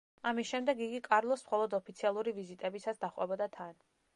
ამის შემდეგ, იგი კარლოს მხოლოდ ოფიციალური ვიზიტებისას დაჰყვებოდა თან.